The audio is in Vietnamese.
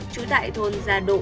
chú tại thôn gia độ